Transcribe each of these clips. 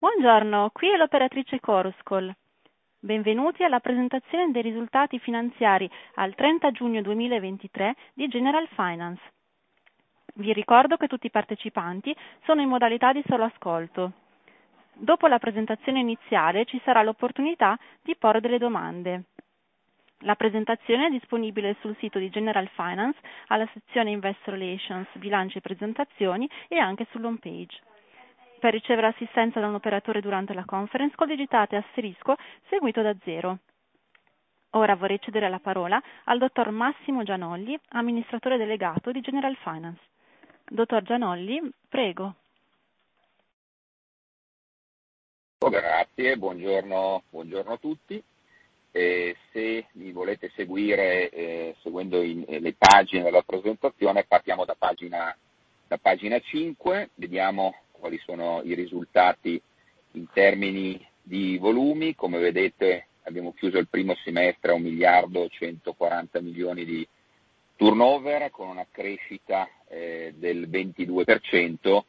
Buongiorno, qui è l'operatrice Chorus Call. Benvenuti alla presentazione dei risultati finanziari al 30 giugno 2023 di Generalfinance. Vi ricordo che tutti i partecipanti sono in modalità di solo ascolto. Dopo la presentazione iniziale ci sarà l'opportunità di porre delle domande. La presentazione è disponibile sul sito di Generalfinance alla sezione Investor Relations, Bilanci e Presentazioni e anche sull'homepage. Per ricevere assistenza da un operatore durante la conference call digitate asterisco seguito da zero. Ora vorrei cedere la parola al Dottor Massimo Gianolli, Amministratore Delegato di Generalfinance. Dottor Gianolli, prego. Grazie, buongiorno a tutti. Se mi volete seguire seguendo le pagine della presentazione, partiamo da pagina cinque, vediamo quali sono i risultati in termini di volumi. Come vedete abbiamo chiuso il primo semestre a 1,140 million di turnover, con una crescita del 22%,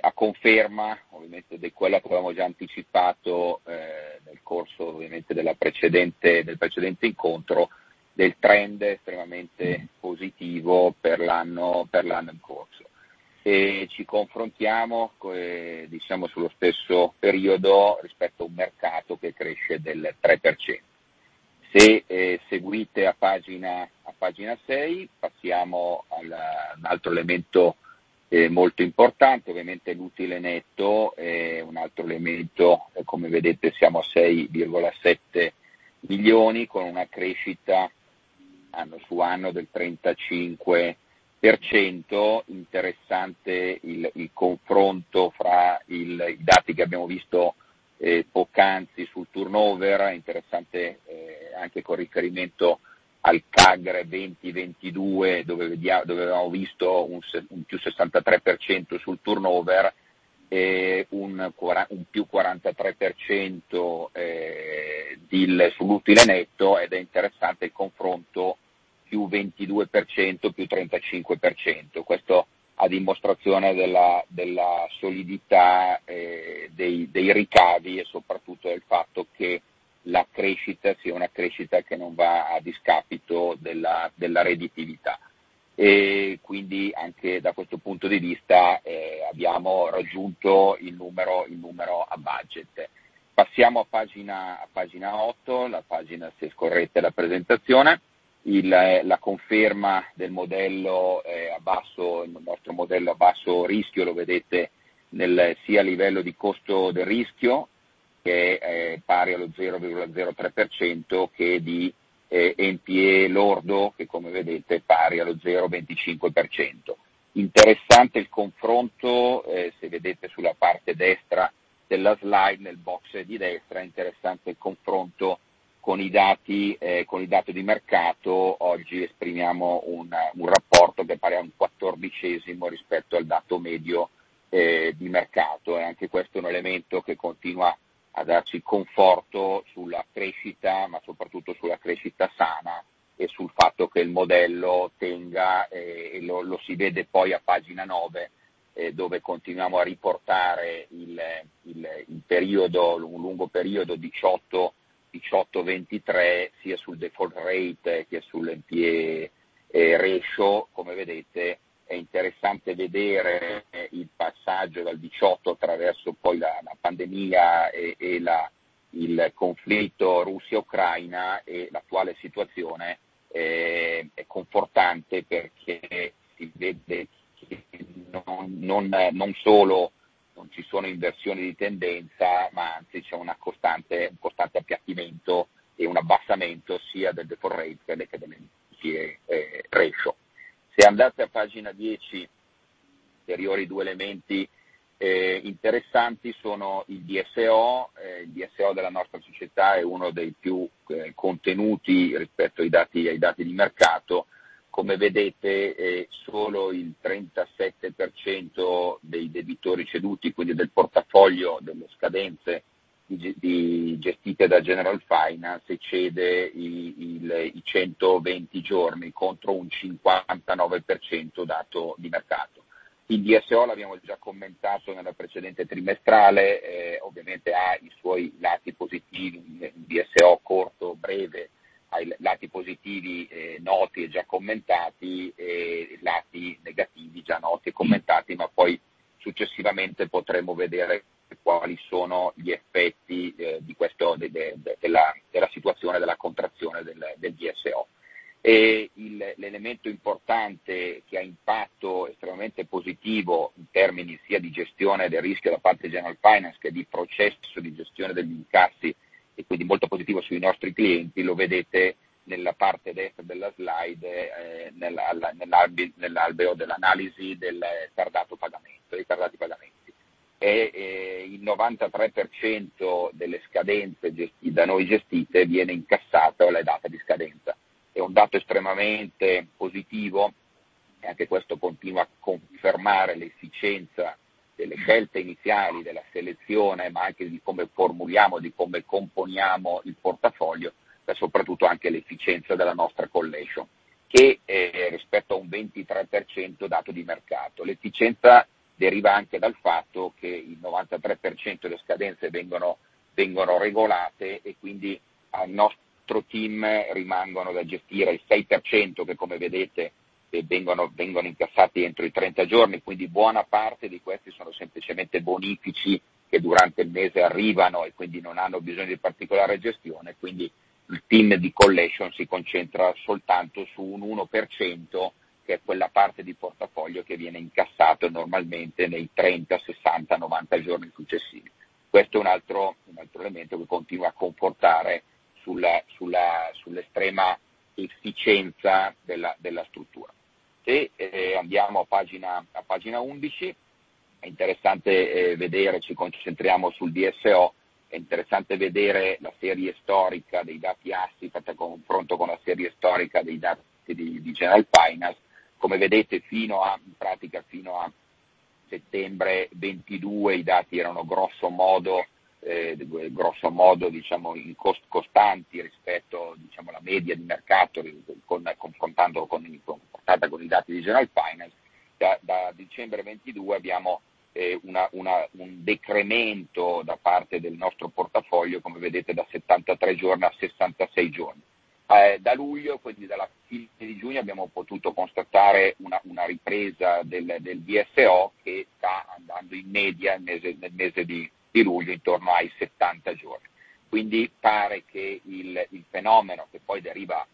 a conferma ovviamente di quello che avevamo già anticipato nel corso del precedente incontro, del trend estremamente positivo per l'anno in corso. Ci confrontiamo sullo stesso periodo rispetto a un mercato che cresce del 3%. Se seguite a pagina sei, passiamo a un altro elemento molto importante, l'utile netto. Come vedete siamo a 6.7 million con una crescita anno su anno del 35%. Interessante il confronto fra i dati che abbiamo visto poc'anzi sul turnover, interessante anche con riferimento al CAGR 2022, dove avevamo visto un +63% sul turnover e un +43% sull'utile netto ed è interessante il confronto +22%, +35%. Questo a dimostrazione della solidità dei ricavi e soprattutto del fatto che la crescita sia una crescita che non va a discapito della redditività. Anche da questo punto di vista abbiamo raggiunto il numero a budget. Passiamo a pagina otto, se scorrete la presentazione. La conferma del nostro modello a basso rischio, lo vedete sia al livello di costo del rischio, che è pari allo 0.03%, che di NPE lordo, che come vedete è pari allo 0.25%. Interessante il confronto, se vedete sulla parte destra della slide, nel box di destra, con i dati di mercato. Oggi esprimiamo un rapporto che è pari a 1/14 rispetto al dato medio di mercato. Anche questo è un elemento che continua a darci conforto sulla crescita, ma soprattutto sulla crescita sana e sul fatto che il modello tenga e lo si vede poi a pagina nove, dove continuiamo a riportare il lungo periodo 2018-2023, sia sul default rate che sull'NPE ratio. Come vedete è interessante vedere il passaggio dal 2018 attraverso poi la pandemia e il conflitto Russia-Ucraina e l'attuale situazione è confortante perché si vede che non solo non ci sono inversioni di tendenza, ma anzi c'è un costante appiattimento e un abbassamento sia del default rate che dell'NPE ratio. Se andate a pagina 10, ulteriori due elementi interessanti sono i DSO. Il DSO della nostra società è uno dei più contenuti rispetto ai dati di mercato. Come vedete solo il 37% dei debitori ceduti, quindi del portafoglio delle scadenze gestite da Generalfinance, eccede i 120 giorni contro un 59% dato di mercato. Il DSO l'abbiamo già commentato nella precedente trimestrale, ovviamente ha i suoi lati positivi. Un DSO corto, breve ha i lati positivi noti e già commentati e i lati negativi già noti e commentati, ma poi successivamente potremo vedere quali sono gli effetti della situazione della contrazione del DSO. L'elemento importante che ha impatto estremamente positivo in termini sia di gestione del rischio da parte di Generalfinance che di processo di gestione degli incassi e quindi molto positivo sui nostri clienti, lo vedete nella parte destra della slide, nell'albero dell'analisi dei tardati pagamenti. Il 93% delle scadenze da noi gestite viene incassato alla data di scadenza. È un dato estremamente positivo e anche questo continua a confermare l'efficienza delle scelte iniziali, della selezione, ma anche di come formuliamo, di come componiamo il portafoglio, ma soprattutto anche l'efficienza della nostra collection, che rispetto a un 23% dato di mercato. L'efficienza deriva anche dal fatto che il 93% delle scadenze vengono regolate e quindi al nostro team rimangono da gestire il 6%, che vengono incassati entro i 30 giorni. Buona parte di questi sono semplicemente bonifici che durante il mese arrivano e quindi non hanno bisogno di particolare gestione. Il team di collection si concentra soltanto su un 1%, che è quella parte di portafoglio che viene incassato normalmente nei 30, 60, 90 giorni successivi. Questo è un altro elemento che continua a confortare sull'estrema efficienza della struttura. Se andiamo a pagina 11, ci concentriamo sul DSO. È interessante vedere la serie storica dei dati Assifact a confronto con la serie storica dei dati di Generalfinance. Come vedete, fino a settembre 2022 i dati erano grosso modo costanti rispetto alla media di mercato, confrontata con i dati di Generalfinance. Da dicembre 2022 abbiamo un decremento da parte del nostro portafoglio, come vedete da 73 giorni a 66 giorni. Da luglio, quindi dalla fine di giugno, abbiamo potuto constatare una ripresa del DSO che sta andando in media nel mese di luglio intorno ai 70 giorni. Pare che il fenomeno, che poi deriva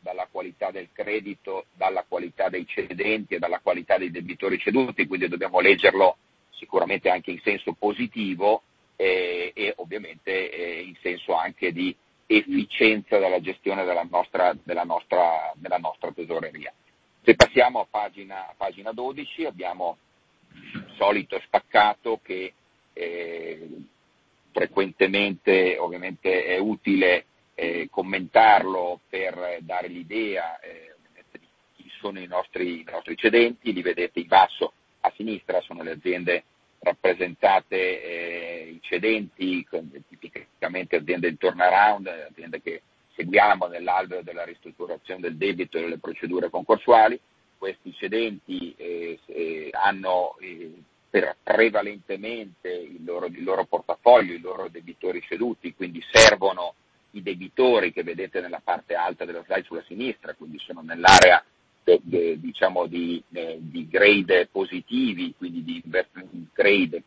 dalla qualità del credito, dalla qualità dei cedenti e dalla qualità dei debitori ceduti, quindi dobbiamo leggerlo sicuramente anche in senso positivo e ovviamente in senso anche di efficienza della gestione della nostra tesoreria. Se passiamo a pagina 12, abbiamo il solito spaccato che frequentemente è utile commentarlo per dare l'idea di chi sono i nostri cedenti, li vedete in basso a sinistra, sono le aziende rappresentate, i cedenti, tipicamente aziende in turnaround, aziende che seguiamo nell'albero della ristrutturazione del debito e delle procedure concorsuali. Questi cedenti hanno prevalentemente il loro portafoglio, i loro debitori ceduti, quindi servono i debitori che vedete nella parte alta della slide sulla sinistra, quindi sono nell'area di grade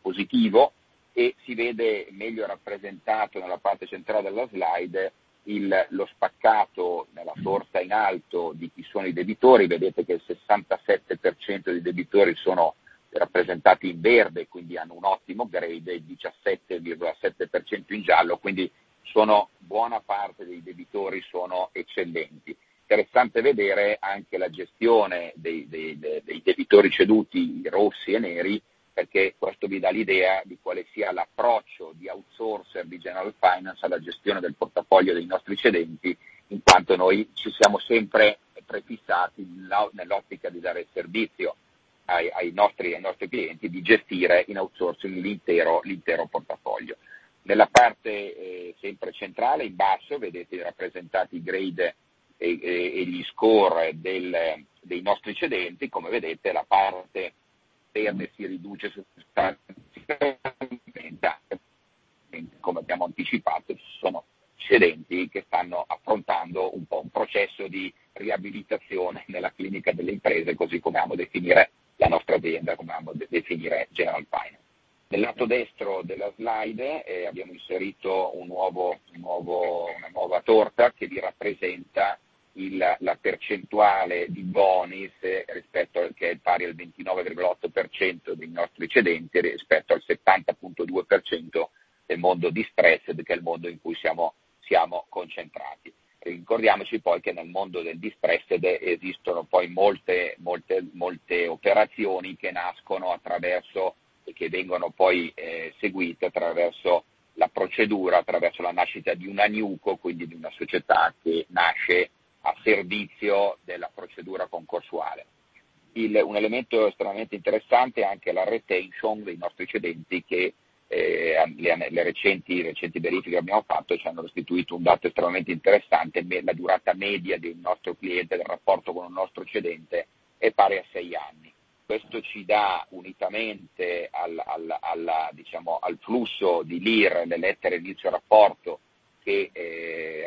positivo, e si vede meglio rappresentato nella parte centrale della slide lo spaccato nella torta in alto di chi sono i debitori. Vedete che il 67% dei debitori sono rappresentati in verde, quindi hanno un ottimo grade, 17.7% in giallo, quindi buona parte dei debitori sono eccellenti. Interessante vedere anche la gestione dei debitori ceduti, i rossi e neri, perché questo vi dà l'idea di quale sia l'approccio di outsource di Generalfinance alla gestione del portafoglio dei nostri cedenti, in quanto noi ci siamo sempre prefissati, nell'ottica di dare servizio ai nostri clienti, di gestire in outsourcing l'intero portafoglio. Nella parte sempre centrale, in basso, vedete rappresentati i grade e gli score dei nostri cedenti. Come vedete la parte verde si riduce come abbiamo anticipato. Ci sono cedenti che stanno affrontando un po' un processo di riabilitazione nella clinica delle imprese, così come amo definire la nostra azienda, come amo definire Generalfinance. Nel lato destro della slide abbiamo inserito una nuova torta che vi rappresenta la percentuale di bonis, che è pari al 29.8% dei nostri cedenti, rispetto al 70.2% del mondo distressed, che è il mondo in cui siamo concentrati. Ricordiamoci poi che nel mondo del distressed esistono molte operazioni che nascono e che vengono poi seguite attraverso la procedura, attraverso la nascita di una newco, quindi di una società che nasce a servizio della procedura concorsuale. Un elemento estremamente interessante è anche la retention dei nostri cedenti. Le recenti verifiche che abbiamo fatto ci hanno restituito un dato estremamente interessante, la durata media del rapporto con un nostro cedente è pari a sei anni. Questo ci dà, unitamente al flusso di LIR, delle lettere inizio rapporto, che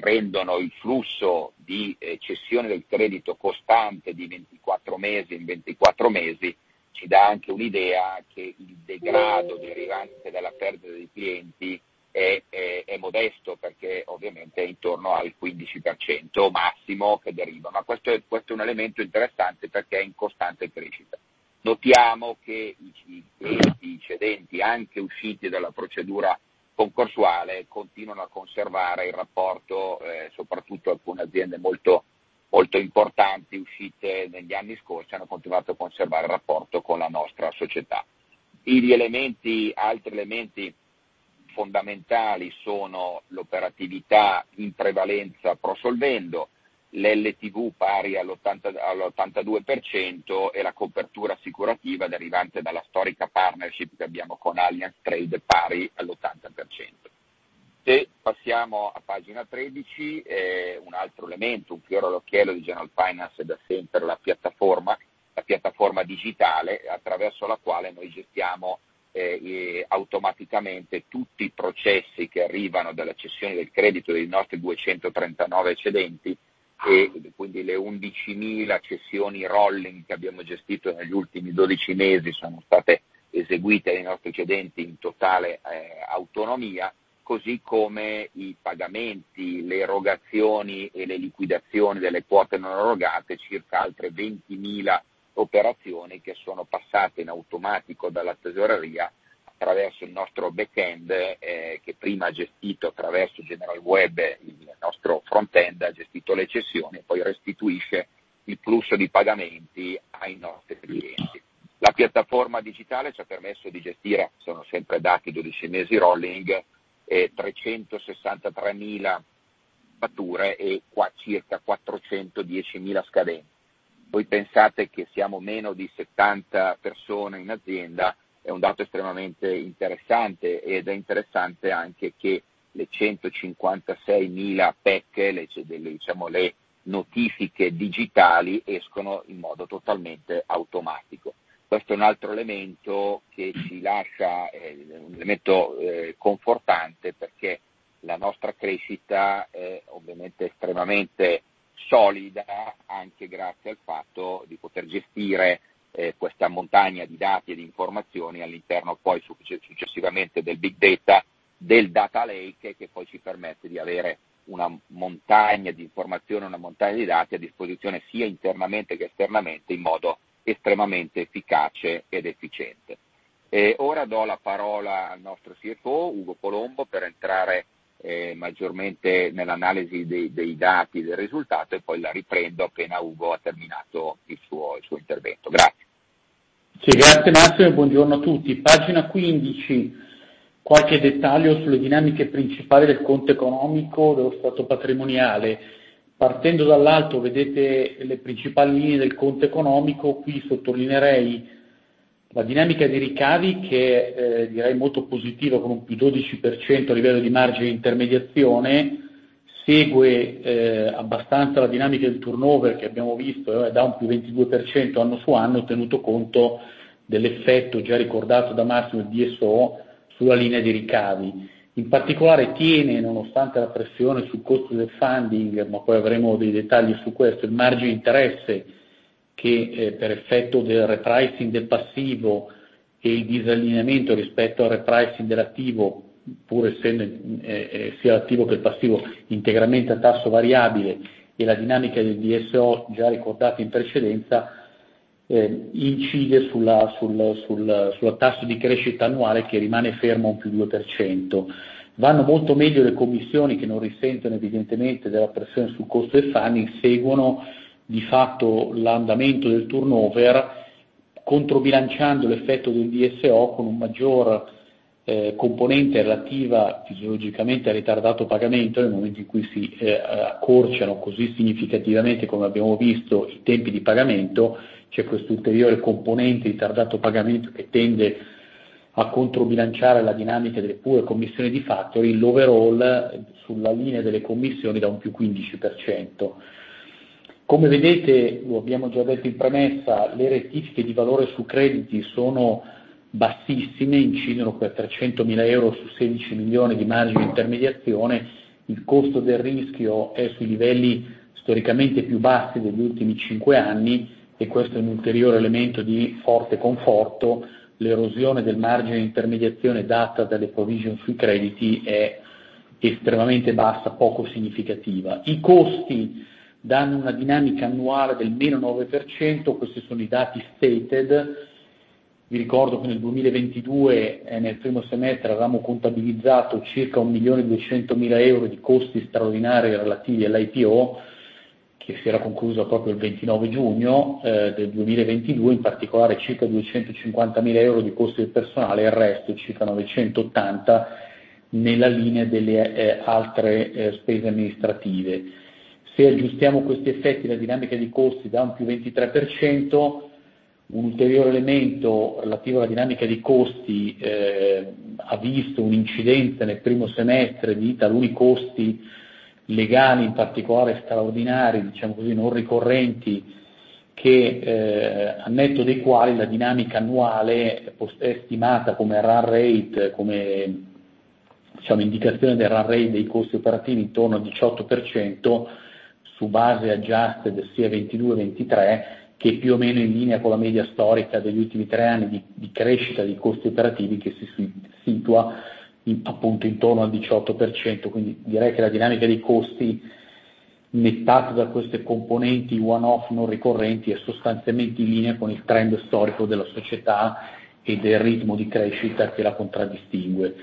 rendono il flusso di cessione del credito costante di 24 mesi in 24 mesi, ci dà anche un'idea che il degrado derivante dalla perdita dei clienti è modesto, perché ovviamente è intorno al 15% massimo che deriva. Questo è un elemento interessante perché è in costante crescita. Notiamo che i cedenti, anche usciti dalla procedura concorsuale, continuano a conservare il rapporto, soprattutto alcune aziende molto importanti uscite negli anni scorsi, hanno continuato a conservare il rapporto con la nostra società. Altri elementi fondamentali sono l'operatività in prevalenza pro solvendo, l'LTV pari all'82% e la copertura assicurativa derivante dalla storica partnership che abbiamo con Allianz Trade pari all'80%. Se passiamo a pagina 13, un altro elemento, un fiore all'occhiello di Generalfinance da sempre, è la piattaforma digitale attraverso la quale noi gestiamo automaticamente tutti i processi che arrivano dalla cessione del credito dei nostri 239 cedenti. Le 11,000 cessioni rolling che abbiamo gestito negli ultimi 12 mesi sono state eseguite dai nostri cedenti in totale autonomia, così come i pagamenti, le erogazioni e le liquidazioni delle quote non erogate, circa altre 20,000 operazioni che sono passate in automatico dalla tesoreria attraverso il nostro back-end, che prima ha gestito attraverso Generalweb, il nostro front-end, le cessioni, poi restituisce il flusso di pagamenti ai nostri clienti. La piattaforma digitale ci ha permesso di gestire, sono sempre dati 12 mesi rolling, 363,000 fatture e circa 410,000 scadenze. Voi pensate che siamo meno di 70 persone in azienda. È un dato estremamente interessante ed è interessante anche che le 156,000 PEC, le notifiche digitali escono in modo totalmente automatico. Questo è un altro elemento confortante perché la nostra crescita è ovviamente estremamente solida anche grazie al fatto di poter gestire questa montagna di dati e di informazioni all'interno successivamente del big data, del data lake, che poi ci permette di avere una montagna di informazioni, una montagna di dati a disposizione sia internamente che esternamente in modo estremamente efficace ed efficiente. Ora do la parola al nostro CFO, Ugo Colombo, per entrare maggiormente nell'analisi dei dati e del risultato e poi la riprendo appena Ugo ha terminato il suo intervento. Grazie. Grazie Massimo, buongiorno a tutti. Pagina 15, qualche dettaglio sulle dinamiche principali del conto economico dello stato patrimoniale. Partendo dall'alto vedete le principali linee del conto economico. Qui sottolineerei la dinamica dei ricavi che è molto positiva con un +12% a livello di margine di intermediazione. Segue abbastanza la dinamica del turnover che abbiamo visto, da un +22% anno su anno, tenuto conto dell'effetto già ricordato da Massimo DSO sulla linea dei ricavi. In particolare tiene, nonostante la pressione sul costo del funding, ma poi avremo dei dettagli su questo, il margine interesse che per effetto del repricing del passivo e il disallineamento rispetto al repricing dell'attivo, pur essendo sia l'attivo che il passivo integralmente a tasso variabile e la dinamica del DSO già ricordato in precedenza, incide sul tasso di crescita annuale che rimane fermo a un +2%. Vanno molto meglio le commissioni che non risentono evidentemente della pressione sul costo del funding. Seguono di fatto l'andamento del turnover controbilanciando l'effetto del DSO con un maggior componente relativa fisiologicamente al ritardato pagamento. Nel momento in cui si accorciano così significativamente come abbiamo visto i tempi di pagamento, c'è questa ulteriore componente di ritardato pagamento che tende a controbilanciare la dinamica delle pure commissioni di factoring overall sulla linea delle commissioni da un +15%. Come vedete, lo abbiamo già detto in premessa, le rettifiche di valore su crediti sono bassissime, incidono per 300,000 euro su 16 million euro di margine di intermediazione. Il costo del rischio è sui livelli storicamente più bassi degli ultimi five years e questo è un ulteriore elemento di forte conforto. L'erosione del margine di intermediazione data dalle provision sui crediti è estremamente bassa, poco significativa. I costi danno una dinamica annuale del -9%. Questi sono i dati stated. Vi ricordo che nel 2022 nel primo semestre avevamo contabilizzato circa 1.2 million euro di costi straordinari relativi all'IPO, che si era conclusa proprio il 29 giugno del 2022, in particolare circa 250,000 euro di costi di personale e il resto, circa 980 nella linea delle altre spese amministrative. Se aggiustiamo questi effetti, la dinamica dei costi dà un +23%. Un ulteriore elemento relativo alla dinamica dei costi ha visto un'incidenza nel primo semestre di taluni costi legali, in particolare straordinari, non ricorrenti, al netto dei quali la dinamica annuale è stimata come indicazione del run rate dei costi operativi intorno al 18% su base adjusted sia 2022 e 2023, che è più o meno in linea con la media storica degli ultimi tre anni di crescita dei costi operativi che si situa intorno al 18%. Direi che la dinamica dei costi, nettata da queste componenti one-off non ricorrenti, è sostanzialmente in linea con il trend storico della Società e del ritmo di crescita che la contraddistingue.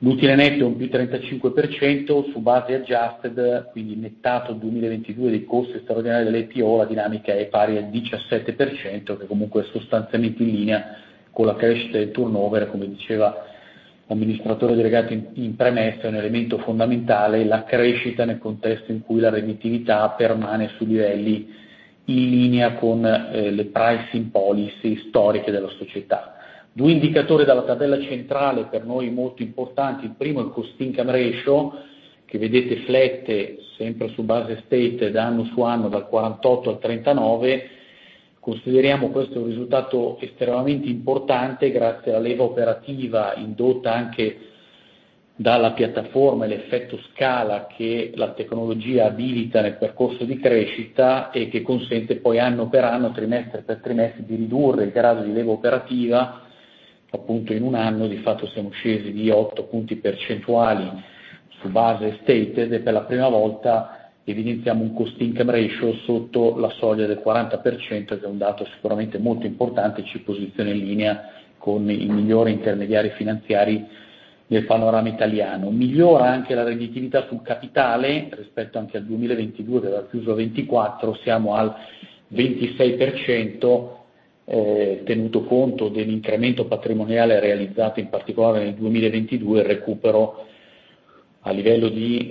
L'utile netto è un +35% su base Adjusted, quindi nettato al 2022 dei costi straordinari dell'IPO, la dinamica è pari al 17%, che comunque è sostanzialmente in linea con la crescita del turnover. Come diceva un Amministratore Delegato in premessa, è un elemento fondamentale la crescita nel contesto in cui la redditività permane su livelli in linea con le pricing policy storiche della Società. Due indicatori dalla tabella centrale per noi molto importanti, il primo è il cost income ratio, che vedete flette sempre su base Stated da anno-su-anno, dal 48%-39%. Consideriamo questo un risultato estremamente importante grazie alla leva operativa indotta anche dalla piattaforma e l'effetto scala che la tecnologia abilita nel percorso di crescita e che consente poi anno per anno, trimestre per trimestre, di ridurre il grado di leva operativa. In un anno, di fatto, siamo scesi di otto punti percentuali su base stated e per la prima volta evidenziamo un cost income ratio sotto la soglia del 40%, che è un dato sicuramente molto importante e ci posiziona in linea con i migliori intermediari finanziari nel panorama italiano. Migliora anche la redditività sul capitale rispetto anche al 2022 che era chiuso a 24%, siamo al 26%, tenuto conto dell'incremento patrimoniale realizzato in particolare nel 2022, il recupero a livello di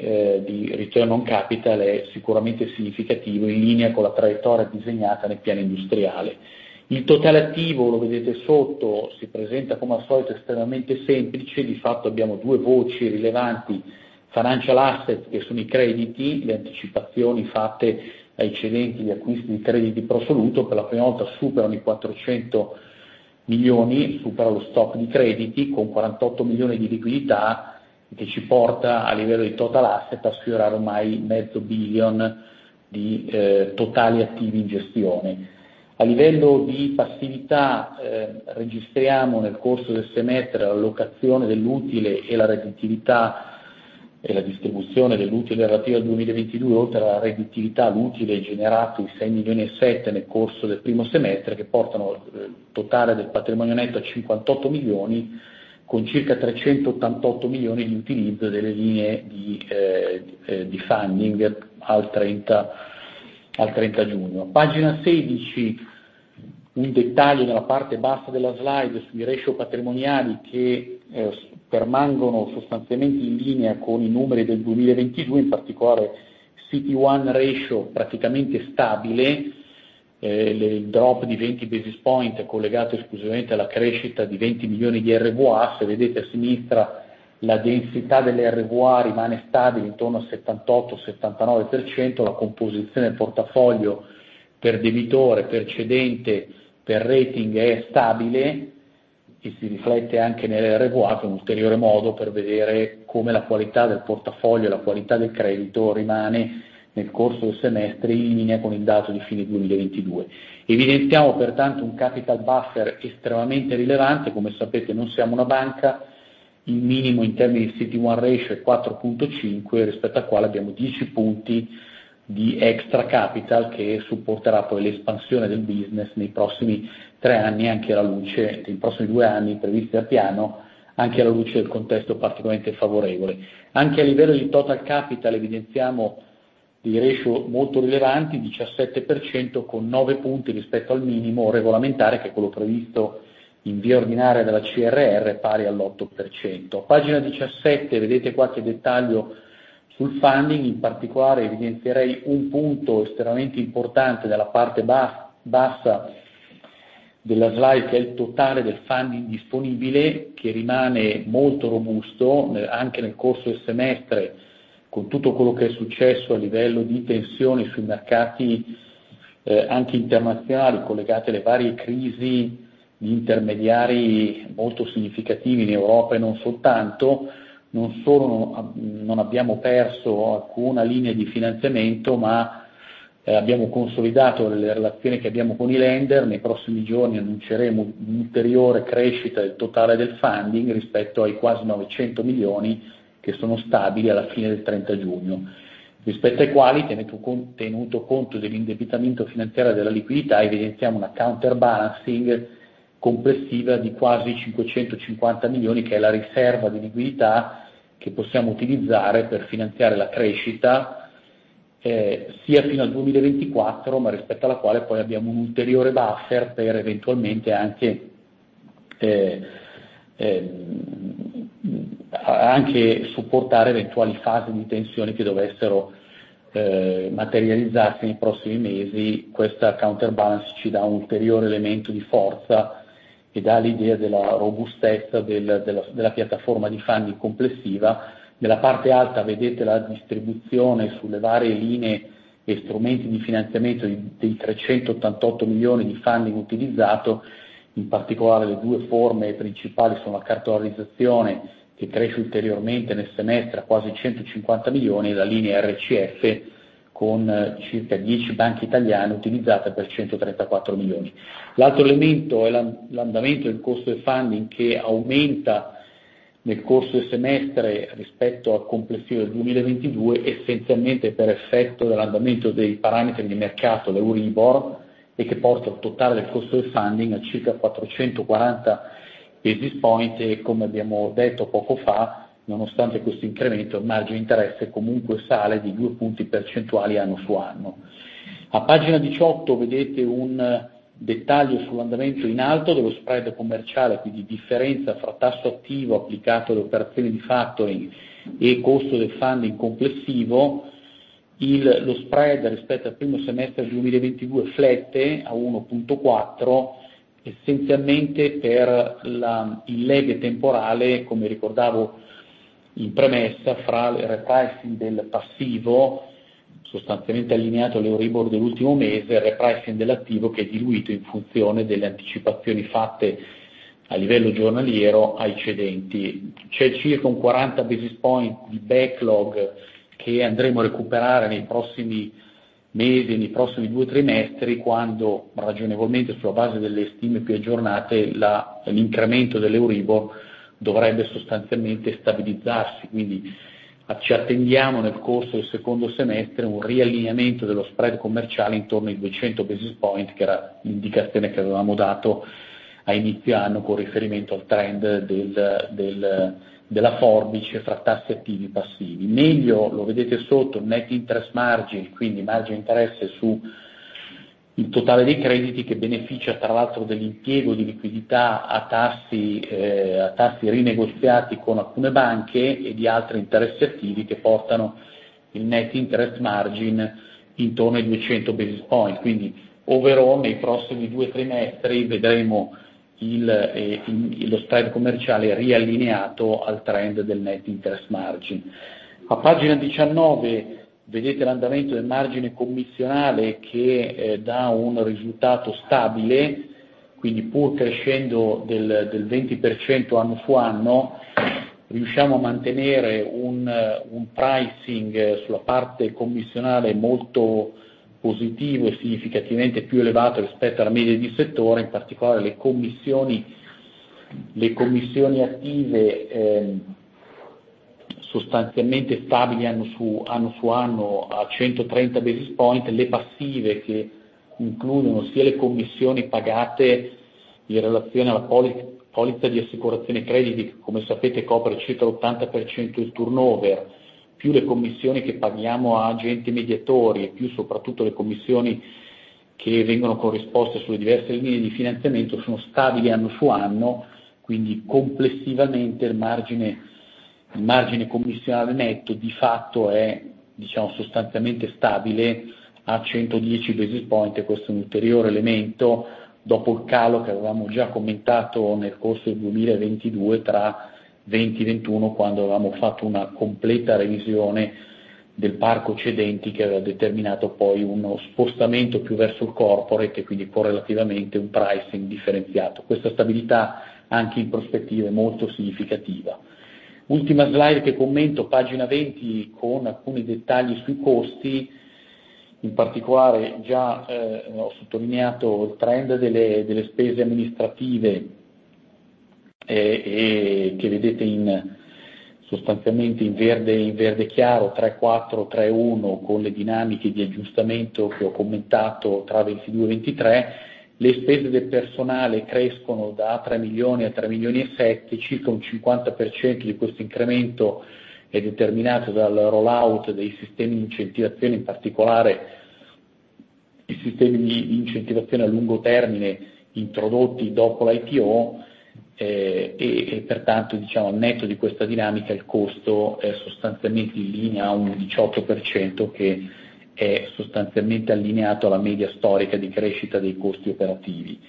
ritorno on capital è sicuramente significativo, in linea con la traiettoria disegnata nel piano industriale. Il Totale Attivo, lo vedete sotto, si presenta come al solito estremamente semplice. Di fatto abbiamo due voci rilevanti, Financial Assets, che sono i crediti, le anticipazioni fatte ai cedenti, gli acquisti di crediti pro soluto, per la prima volta superano i 400 million, supera lo stock di crediti con 48 million di liquidità che ci porta, a livello di Total Assets, a sfiorare ormai EUR mezzo billion di totali attivi in gestione. A livello di passività registriamo nel corso del semestre l'allocazione dell'utile e la distribuzione dell'utile relativa al 2022, oltre alla redditività, l'utile generato i 6.7 million nel corso del primo semestre, che portano il totale del Patrimonio Netto a 58 million con circa 388 million di utilizzo delle linee di funding al 30 giugno. Pagina 16. Un dettaglio nella parte bassa della slide sui ratio patrimoniali che permangono sostanzialmente in linea con i numeri del 2022, in particolare CET1 ratio praticamente stabile. Il drop di 20 basis points collegato esclusivamente alla crescita di 20 million di RWA. Se vedete a sinistra la densità delle RWA rimane stabile intorno al 78%-79%, la composizione del portafoglio per debitore, per cedente, per rating è stabile e si riflette anche nelle RWA, che è un ulteriore modo per vedere come la qualità del portafoglio, la qualità del credito rimane nel corso del semestre in linea con il dato di fine 2022. Evidenziamo pertanto un capital buffer estremamente rilevante. Come sapete non siamo una banca. Il minimo in termini di CET1 ratio è 4.5, rispetto al quale abbiamo 10 punti di extra capital che supporterà poi l'espansione del business nei prossimi due anni previsti dal piano, anche alla luce del contesto particolarmente favorevole. Anche a livello di total capital evidenziamo dei ratio molto rilevanti, 17% con nove punti rispetto al minimo regolamentare che è quello previsto in via ordinaria dalla CRR, pari all'8%. Pagina 17, vedete qualche dettaglio sul funding. In particolare evidenzierei un punto estremamente importante dalla parte bassa della slide che è il totale del funding disponibile, che rimane molto robusto anche nel corso del semestre, con tutto quello che è successo a livello di tensioni sui mercati anche internazionali collegate alle varie crisi di intermediari molto significativi in Europa e non soltanto, non abbiamo perso alcuna linea di finanziamento, ma abbiamo consolidato le relazioni che abbiamo con i lender. Nei prossimi giorni annunceremo un'ulteriore crescita del totale del funding rispetto ai quasi 900 million che sono stabili alla fine del 30 giugno, rispetto ai quali tenuto conto dell'indebitamento finanziario della liquidità, evidenziamo una counterbalancing complessiva di quasi 550 million, che è la riserva di liquidità che possiamo utilizzare per finanziare la crescita sia fino al 2024, ma rispetto alla quale poi abbiamo un ulteriore buffer per eventualmente anche supportare eventuali fasi di tensione che dovessero materializzarsi nei prossimi mesi. Questa counterbalance ci dà un ulteriore elemento di forza e dà l'idea della robustezza della piattaforma di funding complessiva. Nella parte alta vedete la distribuzione sulle varie linee e strumenti di finanziamento dei 388 million di funding utilizzato. In particolare le due forme principali sono la cartolarizzazione, che cresce ulteriormente nel semestre a quasi 150 million, e la linea RCF con circa 10 banche italiane utilizzate per 134 million. L'altro elemento è l'andamento del costo del funding che aumenta nel corso del semestre rispetto al complessivo del 2022, essenzialmente per effetto dell'andamento dei parametri di mercato, l'Euribor, e che porta il totale del costo del funding a circa 440 basis point. Come abbiamo detto poco fa, nonostante questo incremento, il margine interesse comunque sale di due punti percentuali anno-su-anno. A pagina 18 vedete un dettaglio sull'andamento in alto dello spread commerciale, quindi differenza fra tasso attivo applicato alle operazioni di factoring e costo del funding complessivo. Lo spread rispetto al primo semestre 2022 flette a 1.4%, essenzialmente per il lag temporale, come ricordavo in premessa, fra il repricing del passivo, sostanzialmente allineato all'Euribor dell'ultimo mese, e il repricing dell'attivo che è diluito in funzione delle anticipazioni fatte a livello giornaliero ai cedenti. C'è circa un 40 basis points di backlog che andremo a recuperare nei prossimi mesi, nei prossimi due trimestri, quando ragionevolmente sulla base delle stime più aggiornate, l'incremento dell'Euribor dovrebbe sostanzialmente stabilizzarsi. Ci attendiamo nel corso del secondo semestre un riallineamento dello spread commerciale intorno ai 200 basis points, che era l'indicazione che avevamo dato a inizio anno con riferimento al trend della forbice fra tassi attivi e passivi. Meglio, lo vedete sotto, il net interest margin, quindi il margine interesse sul totale dei crediti che beneficia tra l'altro dell'impiego di liquidità a tassi rinegoziati con alcune banche e di altri interessi attivi che portano il net interest margin intorno ai 200 basis points. Overall nei prossimi due trimestri vedremo lo spread commerciale riallineato al trend del net interest margin. A pagina 19 vedete l'andamento del margine commissionale che dà un risultato stabile, quindi pur crescendo del 20% anno su anno, riusciamo a mantenere un pricing sulla parte commissionale molto positivo e significativamente più elevato rispetto alla media di settore. In particolare le commissioni attive sostanzialmente stabili anno su anno a 130 basis points, le passive, che includono sia le commissioni pagate in relazione alla polizza di assicurazione crediti, che come sapete copre circa l'80% del turnover, più le commissioni che paghiamo a agenti mediatori, e più soprattutto le commissioni che vengono corrisposte sulle diverse linee di finanziamento sono stabili anno su anno. Complessivamente il margine commissionale netto di fatto è sostanzialmente stabile a 110 basis points e questo è un ulteriore elemento dopo il calo che avevamo già commentato nel corso del 2022 tra 2020-2021, quando avevamo fatto una completa revisione del parco cedenti che aveva determinato poi uno spostamento più verso il corporate e quindi correlativamente un pricing differenziato. Questa stabilità anche in prospettiva è molto significativa. Ultima slide che commento, pagina 20, con alcuni dettagli sui costi. In particolare ho già sottolineato il trend delle spese amministrative, che vedete sostanzialmente in verde chiaro, 3.4, 3.1 con le dinamiche di aggiustamento che ho commentato tra 2022-2023. Le spese del personale crescono da 3 million-3.7 million, circa un 50% di questo incremento è determinato dal rollout dei sistemi di incentivazione, in particolare i sistemi di incentivazione a lungo termine introdotti dopo l'IPO e pertanto al netto di questa dinamica il costo è sostanzialmente in linea a un 18% che è sostanzialmente allineato alla media storica di crescita dei costi operativi.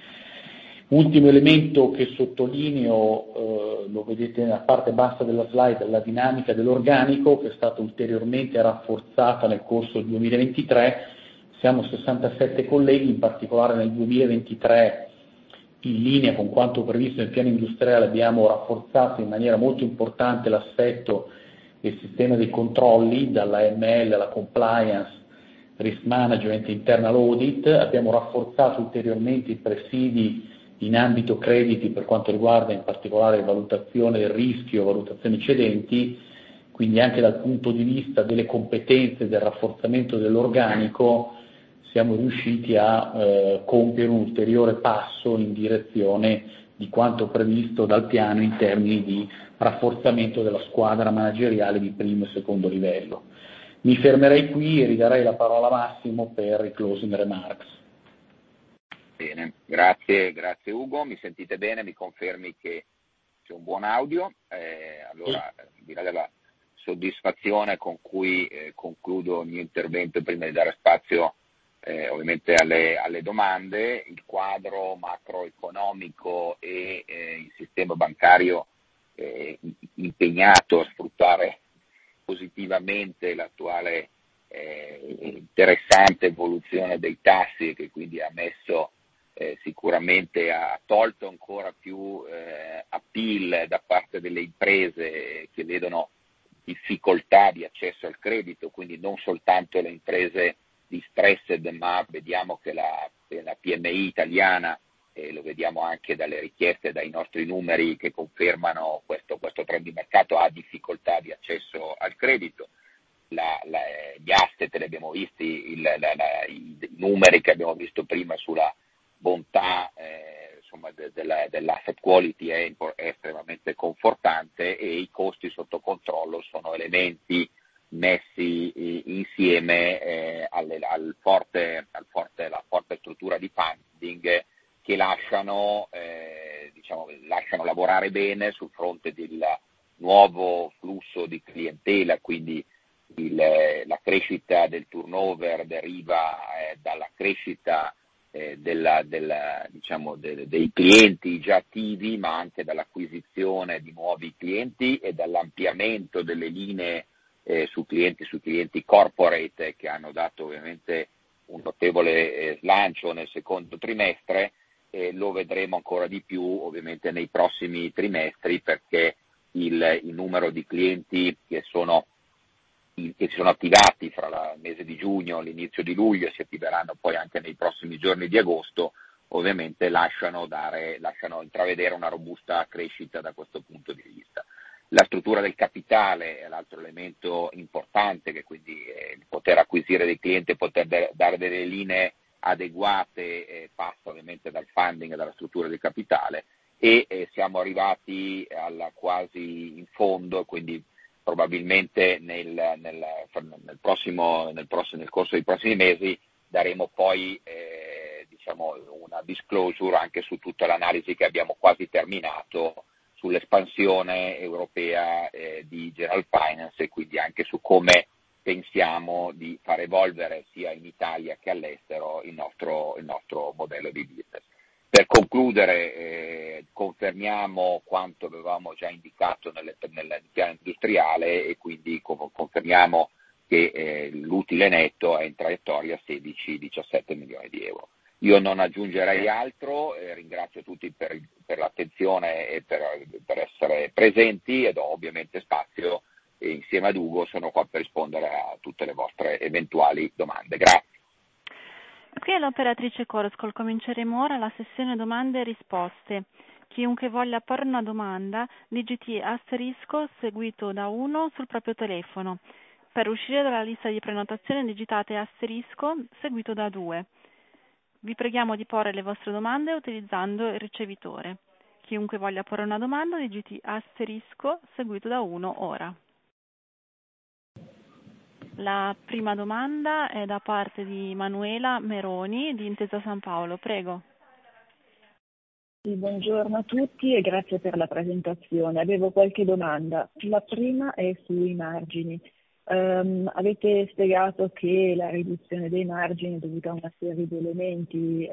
Ultimo elemento che sottolineo, lo vedete nella parte bassa della slide, la dinamica dell'organico che è stata ulteriormente rafforzata nel corso del 2023. Siamo 67 colleghi. In particolare nel 2023, in linea con quanto previsto nel piano industriale, abbiamo rafforzato in maniera molto importante l'assetto del sistema dei controlli, dall'AML alla compliance, risk management, internal audit. Abbiamo rafforzato ulteriormente i presidi in ambito crediti per quanto riguarda in particolare valutazione rischio e valutazione cedenti, quindi anche dal punto di vista delle competenze e del rafforzamento dell'organico siamo riusciti a compiere un ulteriore passo in direzione di quanto previsto dal piano in termini di rafforzamento della squadra manageriale di primo e secondo livello. Mi fermerei qui e ridarei la parola a Massimo per i closing remarks. Bene, grazie Ugo. Mi sentite bene? Mi confermi che c'è un buon audio? Dirò la soddisfazione con cui concludo il mio intervento prima di dare spazio ovviamente alle domande. Il quadro macroeconomico e il sistema bancario impegnato a sfruttare positivamente l'attuale interessante evoluzione dei tassi e che quindi sicuramente ha tolto ancora più appeal da parte delle imprese che vedono difficoltà di accesso al credito, quindi non soltanto le imprese distressed, ma vediamo che la PMI italiana, e lo vediamo anche dalle richieste e dai nostri numeri che confermano questo trend di mercato, ha difficoltà di accesso al credito. Gli asset, i numeri che abbiamo visto prima sulla bontà dell'asset quality è estremamente confortante e i costi sotto controllo sono elementi messi insieme alla forte struttura di funding che lasciano lavorare bene sul fronte del nuovo flusso di clientela. La crescita del turnover deriva dalla crescita dei clienti già attivi, ma anche dall'acquisizione di nuovi clienti e dall'ampliamento delle linee su clienti corporate che hanno dato ovviamente un notevole slancio nel secondo trimestre. Lo vedremo ancora di più nei prossimi trimestri perché il numero di clienti che si sono attivati fra il mese di giugno, l'inizio di luglio e si attiveranno poi anche nei prossimi giorni di agosto, lasciano intravedere una robusta crescita da questo punto di vista. La struttura del capitale è l'altro elemento importante. Il poter acquisire dei clienti, poter dare delle linee adeguate passa ovviamente dal funding, dalla struttura del capitale. Siamo arrivati quasi in fondo. Probabilmente nel corso dei prossimi mesi daremo una disclosure anche su tutta l'analisi che abbiamo quasi terminato sull'espansione europea di Generalfinance e quindi anche su come pensiamo di far evolvere, sia in Italia che all'estero, il nostro modello di business. Per concludere, confermiamo quanto avevamo già indicato nel piano industriale. Confermiamo che l'utile netto è in traiettoria 16 million-17 million euro. Io non aggiungerei altro. Ringrazio tutti per l'attenzione e per essere presenti. Do ovviamente spazio. Insieme ad Ugo sono qua per rispondere a tutte le vostre eventuali domande. Grazie. Qui è l'operatrice Call. Cominceremo ora la sessione domande e risposte. Chiunque voglia porre una domanda digiti asterisco seguito da uno sul proprio telefono. Per uscire dalla lista di prenotazione digitate asterisco seguito da due. Vi preghiamo di porre le vostre domande utilizzando il ricevitore. Chiunque voglia porre una domanda digiti asterisco seguito da uno ora. La prima domanda è da parte di Manuela Meroni di Intesa Sanpaolo, prego. Buongiorno a tutti e grazie per la presentazione. Avevo qualche domanda. La prima è sui margini. Avete spiegato che la riduzione dei margini è dovuta a una serie di elementi,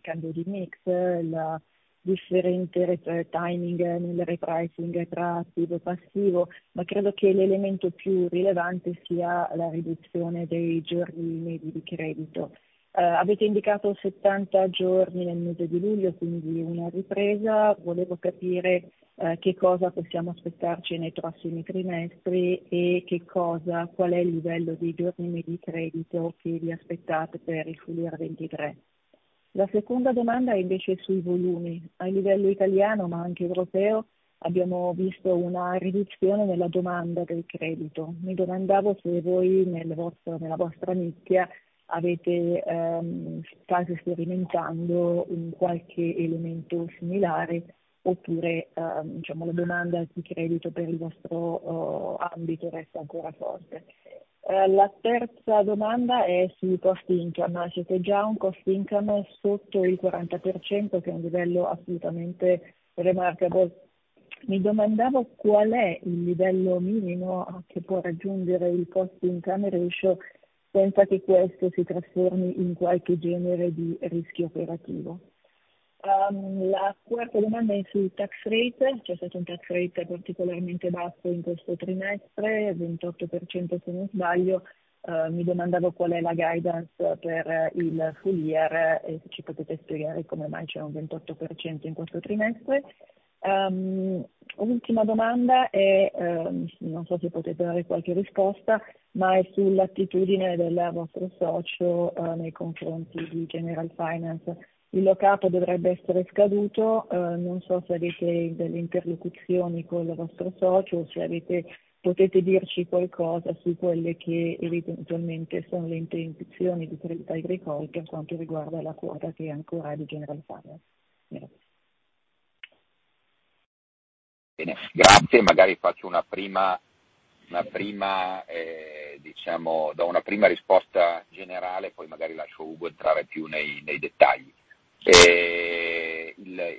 cambio di mix, il differente timing nel repricing tra attivo e passivo, ma credo che l'elemento più rilevante sia la riduzione dei giorni medi di credito. Avete indicato 70 giorni nel mese di luglio, quindi una ripresa. Volevo capire che cosa possiamo aspettarci nei prossimi trimestri e qual è il livello dei giorni medi di credito che vi aspettate per il full year 2023. La seconda domanda è invece sui volumi. A livello italiano ma anche europeo abbiamo visto una riduzione nella domanda del credito. Mi domandavo se voi, nella vostra nicchia, state sperimentando qualche elemento similare oppure la domanda di credito per il vostro ambito resta ancora forte. La terza domanda è sui cost income. Avete già un cost income sotto il 40% che è un livello assolutamente remarkable. Mi domandavo qual è il livello minimo che può raggiungere il cost income ratio senza che questo si trasformi in qualche genere di rischio operativo. La quarta domanda è sul tax rate. C'è stato un tax rate particolarmente basso in questo trimestre, 28% se non sbaglio. Mi domandavo qual è la guidance per il full year e se ci potete spiegare come mai c'è un 28% in questo trimestre. Un'ultima domanda, non so se potete dare qualche risposta, ma è sull'attitudine del vostro socio nei confronti di Generalfinance. Il lockup dovrebbe essere scaduto. Non so se avete delle interlocuzioni con il vostro socio o se potete dirci qualcosa su quelle che eventualmente sono le intenzioni di Crédit Agricole per quanto riguarda la quota che ancora è di Generalfinance. Grazie. Grazie, do una prima risposta generale, poi magari lascio Ugo entrare più nei dettagli.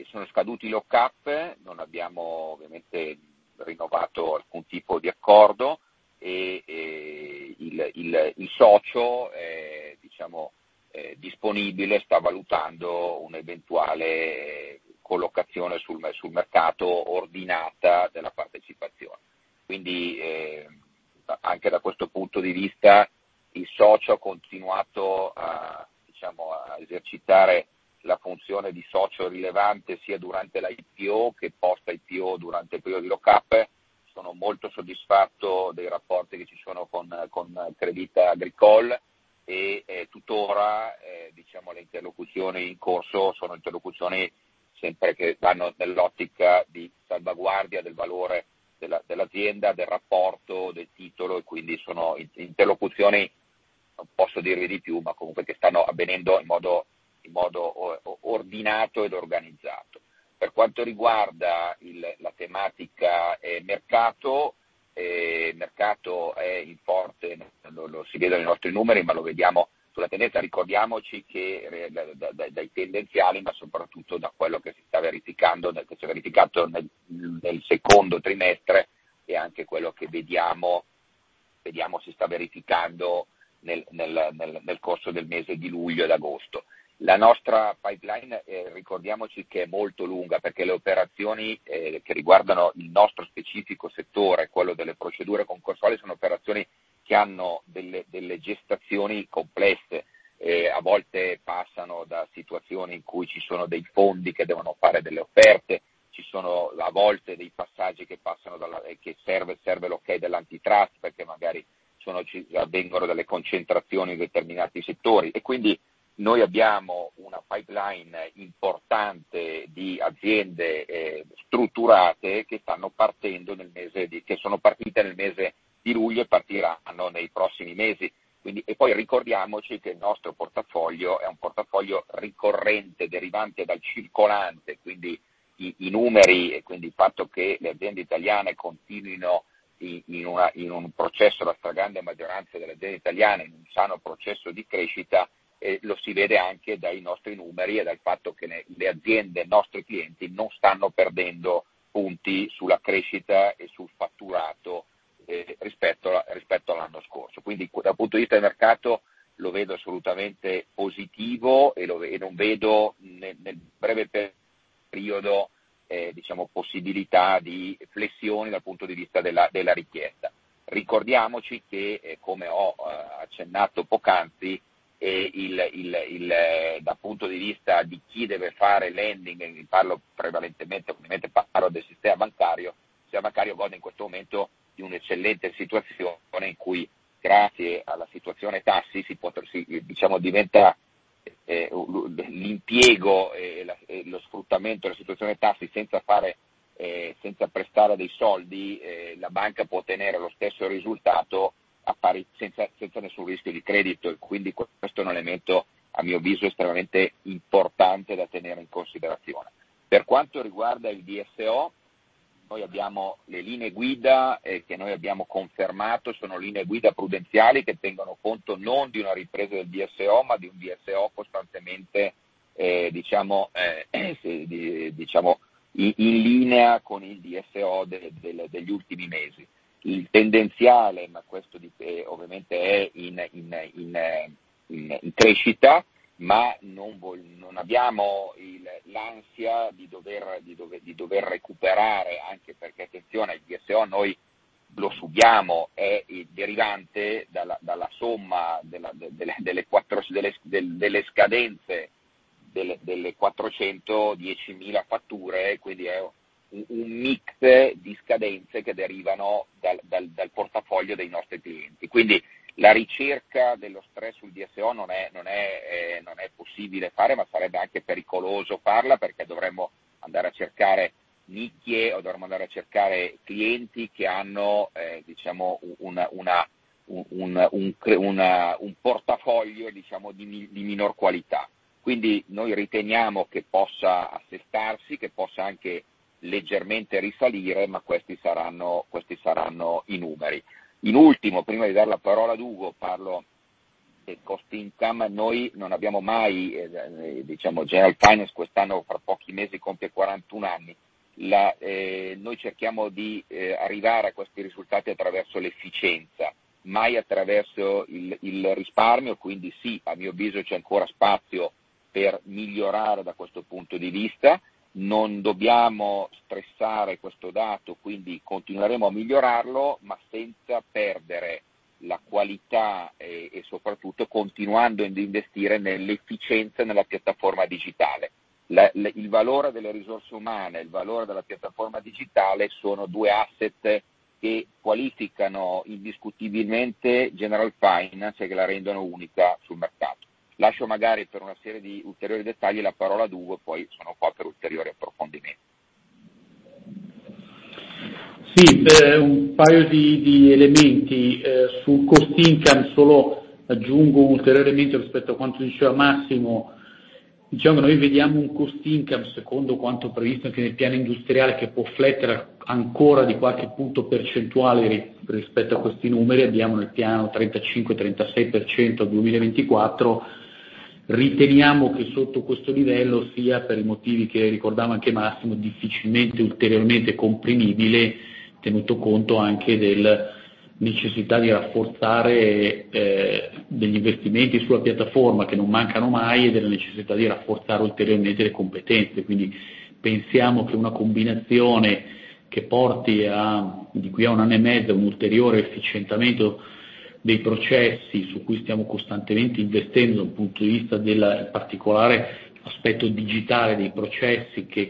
Sono scaduti i lockup, non abbiamo ovviamente rinnovato alcun tipo di accordo e il socio è disponibile, sta valutando un'eventuale collocazione ordinata della partecipazione sul mercato. Anche da questo punto di vista il socio ha continuato a esercitare la funzione di socio rilevante sia durante la IPO che post-IPO durante il periodo di lockup. Sono molto soddisfatto dei rapporti che ci sono con Crédit Agricole e tuttora le interlocuzioni in corso sono interlocuzioni che vanno nell'ottica di salvaguardia del valore dell'azienda, del rapporto, del titolo e quindi sono interlocuzioni, non posso dirvi di più, ma che stanno avvenendo in modo ordinato ed organizzato. Per quanto riguarda la tematica mercato è importante, lo si vede dai nostri numeri, ma lo vediamo sulla tendenza. Ricordiamoci che dai tendenziali, ma soprattutto da quello che si sta verificando, che si è verificato nel secondo trimestre e anche quello che vediamo si sta verificando nel corso del mese di luglio e d'agosto. La nostra pipeline ricordiamoci che è molto lunga perché le operazioni che riguardano il nostro specifico settore, quello delle procedure concorsuali, sono operazioni che hanno delle gestazioni complesse. A volte passano da situazioni in cui ci sono dei fondi che devono fare delle offerte, ci sono a volte dei passaggi che servono l'ok dell'Antitrust perché magari avvengono delle concentrazioni in determinati settori. Noi abbiamo una pipeline importante di aziende strutturate che sono partite nel mese di luglio e partiranno nei prossimi mesi. Ricordiamoci che il nostro portafoglio è un portafoglio ricorrente derivante dal circolante, quindi i numeri e il fatto che la stragrande maggioranza delle aziende italiane continuino in un sano processo di crescita, lo si vede anche dai nostri numeri e dal fatto che le aziende nostre clienti non stanno perdendo punti sulla crescita e sul fatturato rispetto all'anno scorso. Dal punto di vista del mercato lo vedo assolutamente positivo e non vedo nel breve periodo possibilità di flessioni dal punto di vista della richiesta. Ricordiamoci che, come ho accennato poc'anzi, dal punto di vista di chi deve fare lending, parlo del sistema bancario, il sistema bancario gode in questo momento di un'eccellente situazione in cui, grazie alla situazione tassi, diventa l'impiego e lo sfruttamento della situazione tassi senza prestare dei soldi. La banca può ottenere lo stesso risultato senza nessun rischio di credito, e quindi questo è un elemento a mio avviso estremamente importante da tenere in considerazione. Per quanto riguarda il DSO, noi abbiamo le linee guida che noi abbiamo confermato. Sono linee guida prudenziali che tengono conto non di una ripresa del DSO, ma di un DSO costantemente in linea con il DSO degli ultimi mesi. Il tendenziale, questo ovviamente è in crescita, ma non abbiamo l'ansia di dover recuperare anche perché, attenzione, il DSO noi lo subiamo, è derivante dalla somma delle scadenze delle 410.000 fatture, quindi è un mix di scadenze che derivano dal portafoglio dei nostri clienti. Quindi la ricerca dello stress sul DSO non è possibile fare, ma sarebbe anche pericoloso farla perché dovremmo andare a cercare nicchie o dovremmo andare a cercare clienti che hanno un portafoglio di minor qualità. Quindi noi riteniamo che possa assestarsi, che possa anche leggermente risalire, ma questi saranno i numeri. In ultimo, prima di dar la parola a Ugo, parlo del cost income. General Finance fra pochi mesi compie 41 anni. Noi cerchiamo di arrivare a questi risultati attraverso l'efficienza, mai attraverso il risparmio. Quindi sì, a mio avviso c'è ancora spazio per migliorare da questo punto di vista. Non dobbiamo stressare questo dato, quindi continueremo a migliorarlo, ma senza perdere la qualità e soprattutto continuando ad investire nell'efficienza e nella piattaforma digitale. Il valore delle risorse umane e il valore della piattaforma digitale sono due asset che qualificano indiscutibilmente Generalfinance e che la rendono unica sul mercato. Lascio magari per una serie di ulteriori dettagli la parola ad Ugo e poi sono qua per ulteriori approfondimenti. Sì, un paio di elementi. Sul cost income aggiungo un ulteriore elemento rispetto a quanto diceva Massimo. Noi vediamo un cost income secondo quanto previsto anche nel piano industriale che può flettere ancora di qualche punto percentuale rispetto a questi numeri. Abbiamo nel piano 35%-36% al 2024. Riteniamo che sotto questo livello sia, per i motivi che ricordava anche Massimo, difficilmente ulteriormente comprimibile, tenuto conto anche della necessità degli investimenti sulla piattaforma che non mancano mai e della necessità di rafforzare ulteriormente le competenze. Pensiamo che una combinazione che porti da qui a un anno e mezzo a un ulteriore efficientamento dei processi su cui stiamo costantemente investendo dal punto di vista del particolare aspetto digitale dei processi che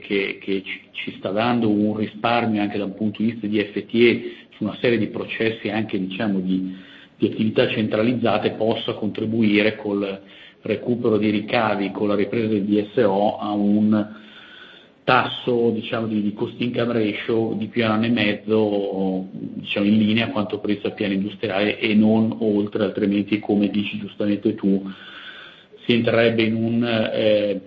ci sta dando un risparmio anche da un punto di vista di FTE su una serie di processi anche di attività centralizzate, possa contribuire col recupero dei ricavi, con la ripresa del DSO a un tasso di cost income ratio di qui a un anno e mezzo in linea con quanto previsto a Piano Industriale e non oltre. Altrimenti, come dici giustamente tu, si entrerebbe in un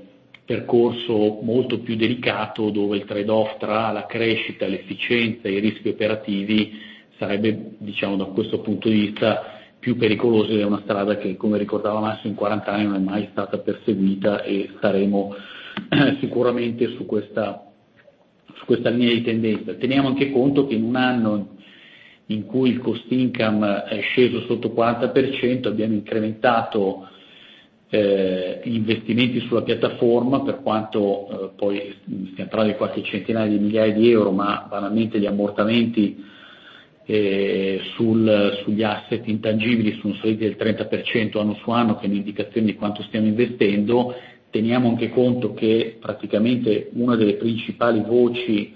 percorso molto più delicato, dove il trade-off tra la crescita, l'efficienza e i rischi operativi sarebbe, da questo punto di vista, più pericoloso. È una strada che, come ricordava Massimo, in 40 anni non è mai stata perseguita e staremo sicuramente su questa linea di tendenza. Teniamo anche conto che in un anno in cui il cost income è sceso sotto 40%, abbiamo incrementato gli investimenti sulla piattaforma. Si tratta di EUR qualche centinaia di migliaia, ma banalmente gli ammortamenti sugli asset intangibili sono saliti del 30% anno su anno, che è un'indicazione di quanto stiamo investendo. Teniamo anche conto che una delle principali voci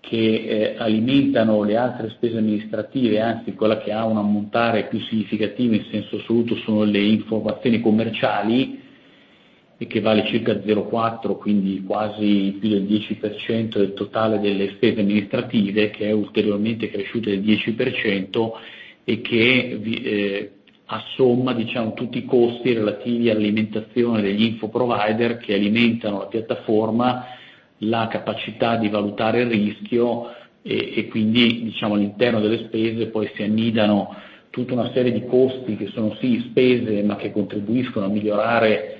che alimentano le altre spese amministrative, anzi quella che ha un ammontare più significativo in senso assoluto, sono le informazioni commerciali e che vale circa 0.4, quindi quasi più del 10% del totale delle spese amministrative, che è ulteriormente cresciuta del 10% e che assomma tutti i costi relativi all'alimentazione degli info provider che alimentano la piattaforma, la capacità di valutare il rischio. All'interno delle spese poi si annidano tutta una serie di costi che sono sì spese, ma che contribuiscono a migliorare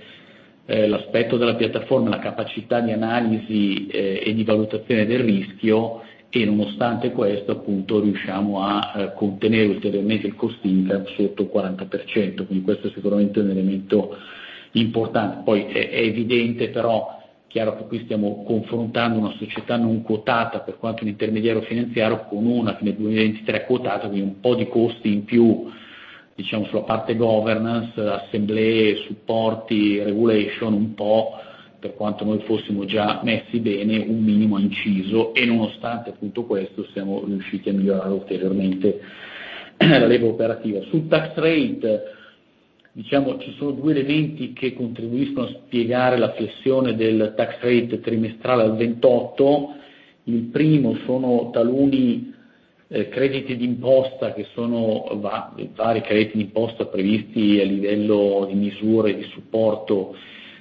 l'aspetto della piattaforma, la capacità di analisi e di valutazione del rischio. Nonostante questo riusciamo a contenere ulteriormente il cost income sotto il 40%. Questo è sicuramente un elemento importante. È evidente però, chiaro che qui stiamo confrontando una società non quotata, per quanto un intermediario finanziario, con una fine 2023 quotata, quindi un po' di costi in più sulla parte governance, assemblee, supporti, regulation, un po', per quanto noi fossimo già messi bene, un minimo ha inciso e nonostante questo siamo riusciti a migliorare ulteriormente la leva operativa. Sul tax rate, ci sono due elementi che contribuiscono a spiegare la flessione del tax rate trimestrale al 28%. Il primo sono taluni crediti d'imposta, che sono vari crediti d'imposta previsti a livello di misure di supporto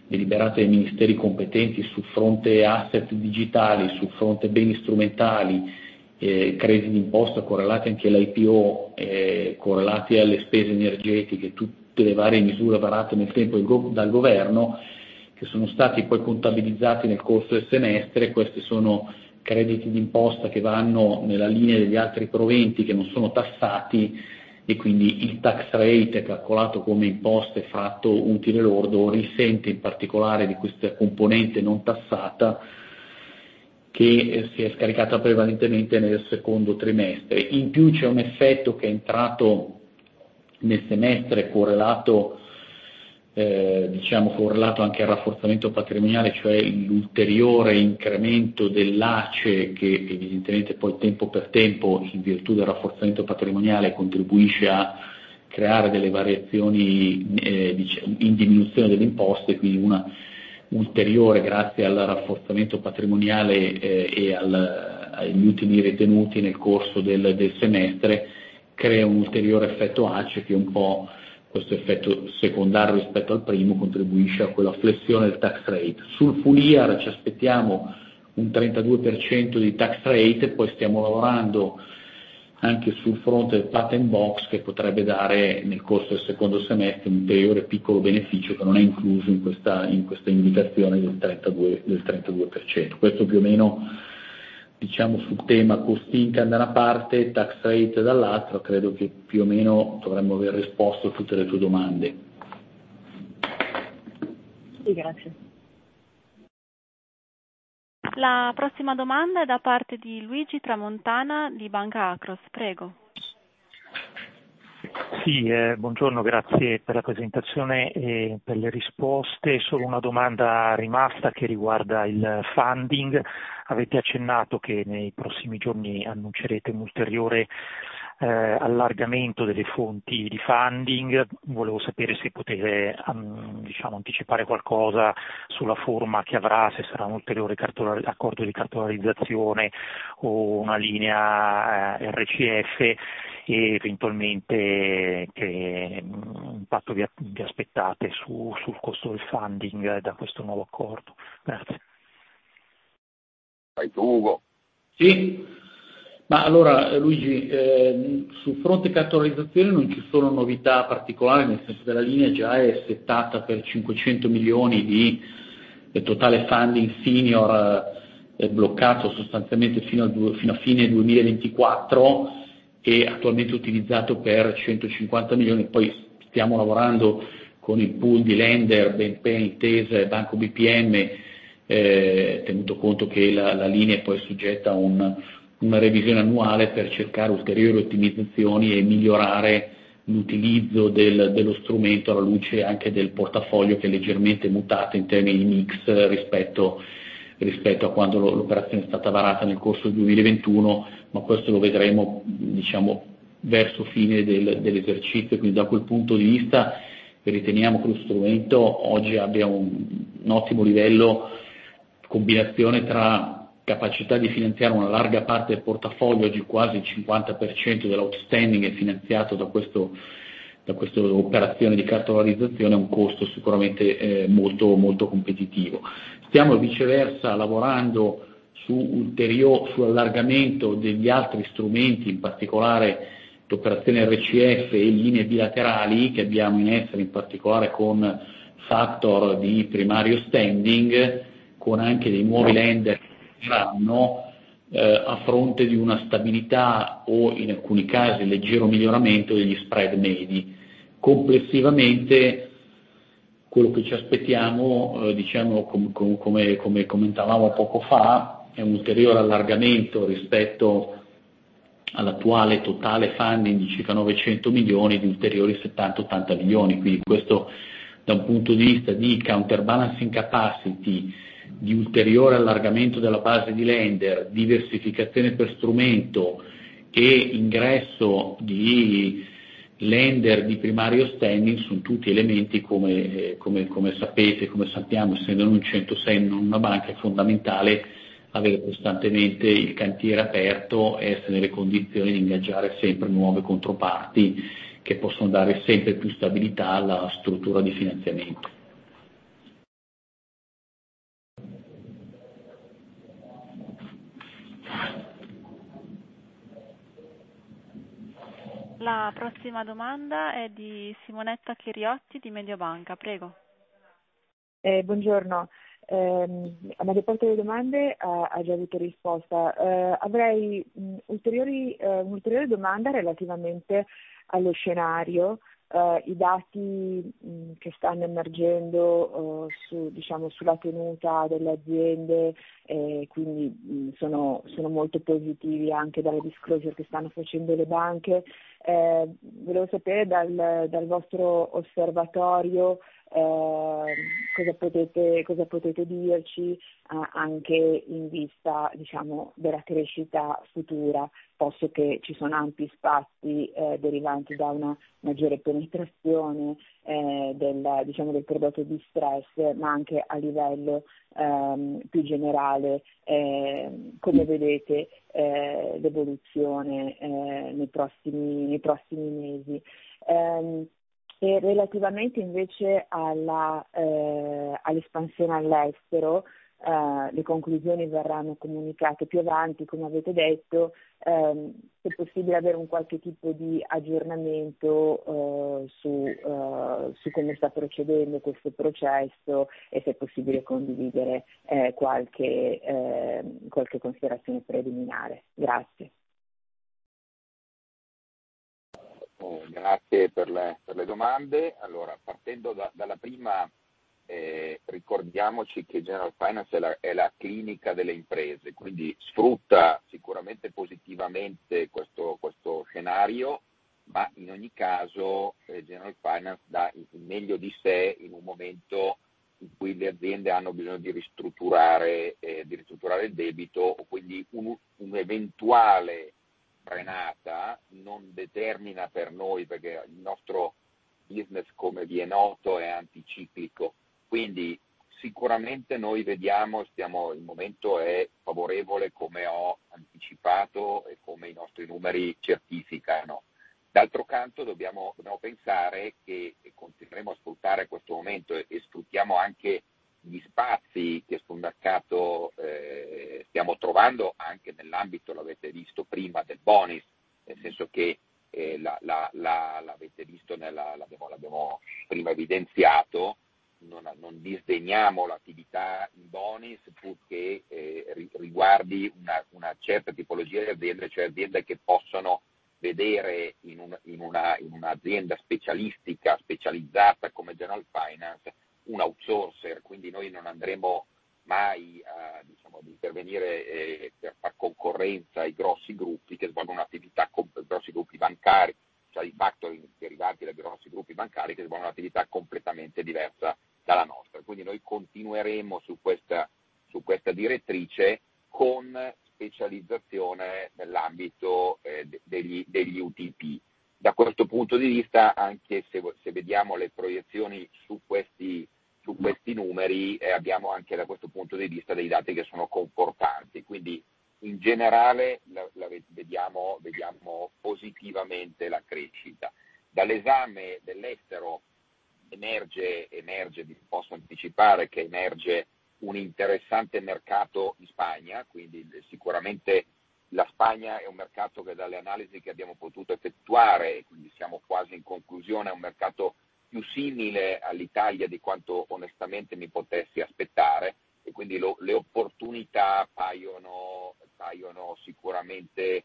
deliberate dai ministeri competenti sul fronte asset digitali, sul fronte beni strumentali, crediti d'imposta correlati anche all'IPO, correlati alle spese energetiche, tutte le varie misure varate nel tempo dal governo, che sono stati poi contabilizzati nel corso del semestre. Questi sono crediti d'imposta che vanno nella linea degli altri proventi che non sono tassati e quindi il tax rate, calcolato come imposte fratto utile lordo, risente in particolare di questa componente non tassata che si è scaricata prevalentemente nel secondo trimestre. In più c'è un effetto che è entrato nel semestre correlato anche al rafforzamento patrimoniale, cioè l'ulteriore incremento dell'ACE che evidentemente poi tempo per tempo, in virtù del rafforzamento patrimoniale, contribuisce a creare delle variazioni in diminuzione delle imposte, quindi un'ulteriore grazie al rafforzamento patrimoniale e agli utili ritenuti nel corso del semestre crea un ulteriore effetto ACE, che un po' questo effetto secondario rispetto al primo contribuisce a quella flessione del tax rate. Sul full year ci aspettiamo un 32% di tax rate. Stiamo lavorando anche sul fronte del patent box che potrebbe dare nel corso del secondo semestre un ulteriore piccolo beneficio che non è incluso in questa indicazione del 32%. Questo più o meno sul tema cost income da una parte, tax rate dall'altra, credo che più o meno dovremmo aver risposto a tutte le tue domande. Sì, grazie. La prossima domanda è da parte di Luigi Tramontana di Banca Akros, prego. Buongiorno, grazie per la presentazione e per le risposte. Solo una domanda rimasta che riguarda il funding. Avete accennato che nei prossimi giorni annuncerete un ulteriore allargamento delle fonti di funding. Volevo sapere se potete anticipare qualcosa sulla forma che avrà, se sarà un ulteriore accordo di cartolarizzazione o una linea RCF e eventualmente che impatto vi aspettate sul costo del funding da questo nuovo accordo. Grazie. Vai tu, Ugo. Sì. Luigi, sul fronte cartolarizzazione non ci sono novità particolari, nel senso che la linea già è settata per 500 million di totale funding senior bloccato sostanzialmente fino a fine 2024 e attualmente utilizzato per 150 million. Stiamo lavorando con il pool di lender, BNP Paribas, Intesa e Banco BPM, tenuto conto che la linea è soggetta a una revisione annuale per cercare ulteriori ottimizzazioni e migliorare l'utilizzo dello strumento alla luce anche del portafoglio che è leggermente mutato in termini di mix rispetto a quando l'operazione è stata varata nel corso del 2021, ma questo lo vedremo verso fine dell'esercizio e quindi da quel punto di vista riteniamo che lo strumento oggi abbia un ottimo livello. Combinazione tra capacità di finanziare una larga parte del portafoglio, oggi quasi il 50% dell'outstanding è finanziato da queste operazioni di cartolarizzazione a un costo sicuramente molto competitivo. Stiamo viceversa lavorando sull'allargamento degli altri strumenti, in particolare l'operazione RCF e linee bilaterali che abbiamo in essere, in particolare con factor di primario standing, con anche dei nuovi lender che entreranno a fronte di una stabilità o in alcuni casi leggero miglioramento degli spread medi. Complessivamente, quello che ci aspettiamo, come commentavo poco fa, è un ulteriore allargamento rispetto all'attuale totale funding di circa 900 million, di ulteriori 70 million-80 million. Questo da un punto di vista di counterbalancing capacity, di ulteriore allargamento della base di lender, diversificazione per strumento e ingresso di lender di primario standing, sono tutti elementi. Come sappiamo, essendo noi un 106, non una banca, è fondamentale avere costantemente il cantiere aperto e essere nelle condizioni di ingaggiare sempre nuove controparti che possono dare sempre più stabilità alla struttura di finanziamento. La prossima domanda è di Simonetta Chiriotti di Mediobanca. Prego. Buongiorno. Una delle domande ha già avuto risposta. Avrei un'ulteriore domanda relativamente allo scenario. I dati che stanno emergendo sulla tenuta delle aziende sono molto positivi anche dalle disclosure che stanno facendo le banche. Volevo sapere dal vostro osservatorio cosa potete dirci anche in vista della crescita futura, posto che ci sono ampi spazi derivanti da una maggiore penetrazione del prodotto distress, ma anche a livello più generale, come vedete l'evoluzione nei prossimi mesi? Relativamente invece all'espansione all'estero, le conclusioni verranno comunicate più avanti, come avete detto. È possibile avere un qualche tipo di aggiornamento su come sta procedendo questo processo e se è possibile condividere qualche considerazione preliminare? Grazie. Grazie per le domande. Partendo dalla prima, ricordiamoci che Generalfinance è la clinica delle imprese, quindi sfrutta sicuramente positivamente questo scenario, ma in ogni caso Generalfinance dà il meglio di sé in un momento in cui le aziende hanno bisogno di ristrutturare il debito, quindi un'eventuale frenata non determina per noi, perché il nostro business, come vi è noto, è anticiclico. Sicuramente noi vediamo, il momento è favorevole, come ho anticipato e come i nostri numeri certificano. D'altro canto dobbiamo pensare che continueremo a sfruttare questo momento e sfruttiamo anche gli spazi che su un mercato stiamo trovando anche nell'ambito, l'avete visto prima, del bonus, l'avete visto, l'abbiamo prima evidenziato, non disdegniamo l'attività in bonus purché riguardi una certa tipologia di aziende, cioè aziende che possono vedere in un'azienda specialistica, specializzata come Generalfinance, un outsourcer. Noi non andremo mai ad intervenire per far concorrenza ai grossi gruppi bancari, cioè i factoring derivanti dai grossi gruppi bancari che svolgono un'attività completamente diversa dalla nostra. Noi continueremo su questa direttrice con specializzazione nell'ambito degli UTP. Da questo punto di vista, anche se vediamo le proiezioni su questi numeri, abbiamo anche da questo punto di vista dei dati che sono confortanti. In generale vediamo positivamente la crescita. Dall'esame dell'estero emerge, posso anticipare, un interessante mercato in Spagna. Sicuramente la Spagna è un mercato che dalle analisi che abbiamo potuto effettuare, quindi siamo quasi in conclusione, è un mercato più simile all'Italia di quanto onestamente mi potessi aspettare, e quindi le opportunità paiono sicuramente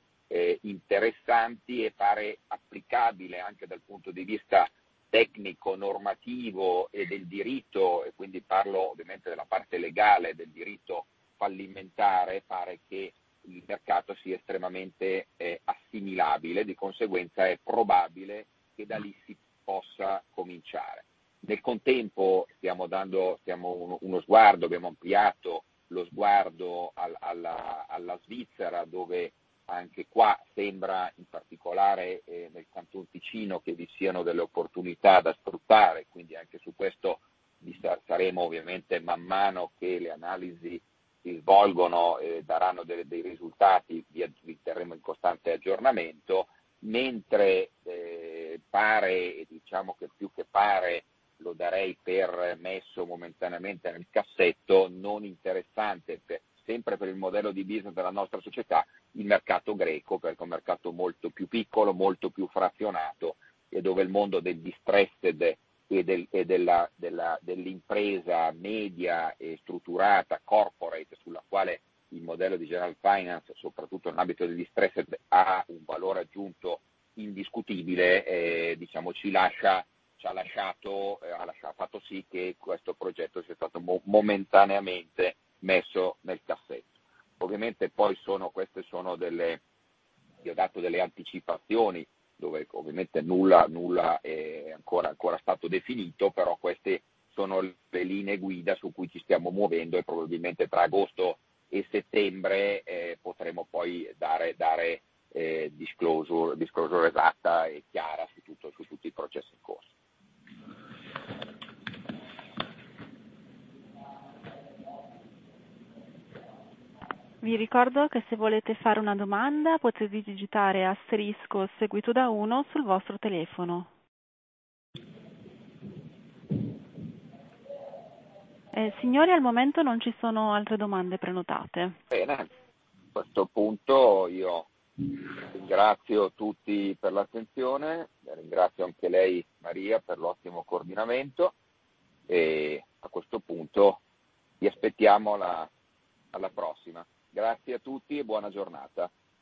interessanti e pare applicabile anche dal punto di vista tecnico, normativo e del diritto. Parlo ovviamente della parte legale del diritto fallimentare, pare che il mercato sia estremamente assimilabile, di conseguenza è probabile che da lì si possa cominciare. Nel contempo abbiamo ampliato lo sguardo alla Svizzera, dove anche qua sembra, in particolare nel Canton Ticino, che vi siano delle opportunità da sfruttare. Anche su questo, man mano che le analisi si svolgono e daranno dei risultati, vi terremo in costante aggiornamento. Mentre pare, e più che pare lo darei per messo momentaneamente nel cassetto, non interessante, sempre per il modello di business della nostra società, il mercato greco, perché è un mercato molto più piccolo, molto più frazionato e dove il mondo del distressed e dell'impresa media e strutturata corporate, sulla quale il modello di Generalfinance, soprattutto in ambito del distressed, ha un valore aggiunto indiscutibile, ha fatto sì che questo progetto sia stato momentaneamente messo nel cassetto. Ovviamente vi ho dato delle anticipazioni dove nulla è ancora stato definito, però queste sono le linee guida su cui ci stiamo muovendo e probabilmente tra agosto e settembre potremo poi dare disclosure esatta e chiara su tutti i processi in corso. Vi ricordo che se volete fare una domanda potete digitare asterisco seguito da uno sul vostro telefono. Signori, al momento non ci sono altre domande prenotate. Bene, a questo punto io ringrazio tutti per l'attenzione, ringrazio anche lei, Maria, per l'ottimo coordinamento e vi aspettiamo. Alla prossima. Grazie a tutti e buona giornata.